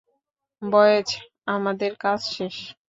Boys, আমাদের কাজ শেষ?